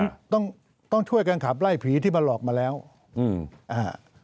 ต้องต้องช่วยกันขับไล่ผีที่มาหลอกมาแล้วอืมอ่า